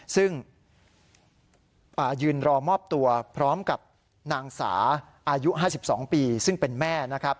ซึ่งยืนรอมอบตัวพร้อมกับนางสาอายุ๕๒ปีซึ่งเป็นแม่นะครับ